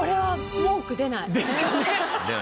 文句出ない。